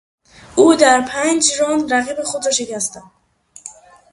او در پنج راند رقیب خود را شکست داد.